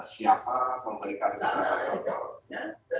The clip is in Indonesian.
siapa pemeriksaan tentang apa